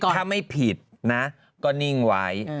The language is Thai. ถ้าไม่ผิดนะก็นิ่งไว้